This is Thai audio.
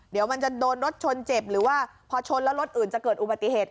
เดี๋ยวมันจะโดนรถชนเจ็บหรือว่าพอชนแล้วรถอื่นจะเกิดอุบัติเหตุ